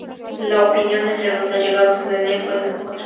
La opinión entre los allegados de Lee fue contradictoria.